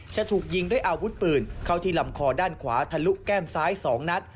จะถูกยิงด้วยอาวุธปืนเข้าที่ลำคอด้านขวาทะลุแก้มซ้าย๒นัด